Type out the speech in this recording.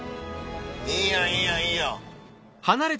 いいやんいいやんいいやん。